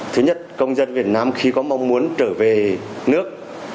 thứ nhất công dân việt nam khi có mong muốn trở về nước